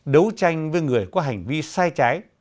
đấu tranh với người qua hành vi sai trái